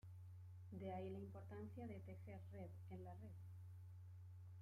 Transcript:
de ahí la importancia de “tejer red” en la Red